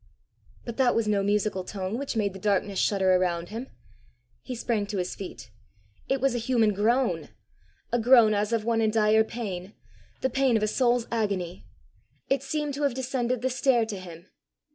But that was no musical tone which made the darkness shudder around him! He sprang to his feet. It was a human groan a groan as of one in dire pain, the pain of a soul's agony. It seemed to have descended the stair to him.